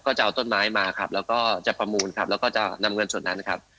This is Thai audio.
ก็จะเอาต้นไม้มาครับแล้วก็จะประมูลครับแล้วก็จะนำเงินส่วนนั้นครับ